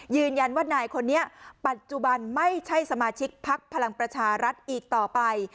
ยืนยันว่านายคนนี้ปัจจุบันไม่ใช่สมาชิกพักพลังประชารัฐอีกต่อไป